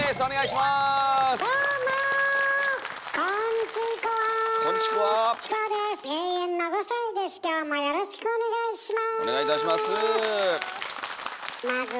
まずはどうもよろしくお願いします。